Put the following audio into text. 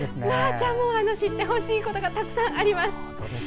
じゃあ、知ってほしいことたくさんあります！